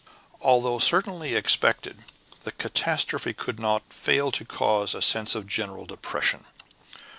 Although certainly expected, the catastrophe could not fail to cause a sense of general depression.